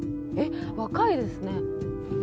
えっ若いですね。